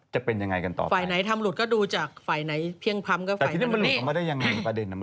ฉันอยากรู้เยอะมากเลยอ่ะ